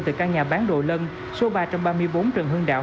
từ căn nhà bán đồ lân số ba trăm ba mươi bốn trần hưng đạo